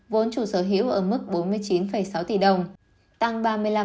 vốn chủ sở hữu ở mức bốn mươi chín sáu tỷ đồng tăng ba mươi năm